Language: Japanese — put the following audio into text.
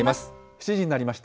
７時になりました。